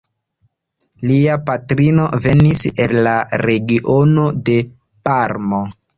Lia patrino venis el la regiono de Parmo.